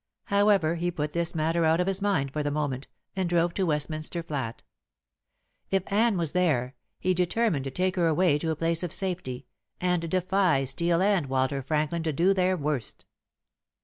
However, he put this matter out of his mind for the moment, and drove to the Westminster flat. If Anne was there, he determined to take her away to a place of safety, and defy Steel and Walter Franklin to do their worst.